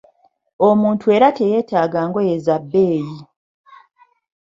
Omuntu era teyetaaga ngoye za bbeeyi.